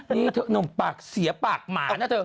นี่นุ่มปากเสียปากหมาน่ะเถอะ